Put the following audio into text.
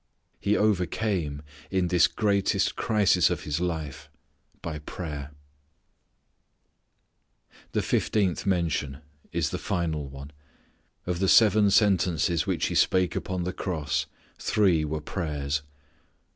He overcame in this greatest crisis of His life by prayer. The fifteenth mention is the final one. Of the seven sentences which He spake upon the cross, three were prayers.